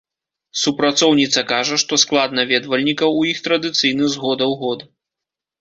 Супрацоўніца кажа, што склад наведвальнікаў у іх традыцыйны з года ў год.